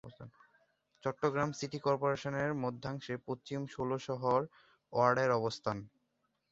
Chittagong city কর্পোরেশনের মধ্যাংশে পশ্চিম ষোলশহর ওয়ার্ডের অবস্থান।